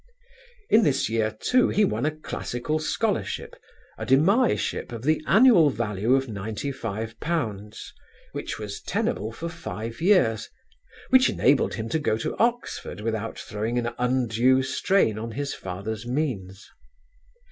In this year, too, he won a classical scholarship a demyship of the annual value of £95, which was tenable for five years, which enabled him to go to Oxford without throwing an undue strain on his father's means.